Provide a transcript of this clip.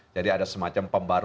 jadi ada semacam pembalasan